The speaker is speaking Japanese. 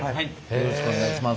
よろしくお願いします。